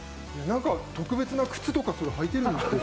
特別な靴とか履いてるんですか？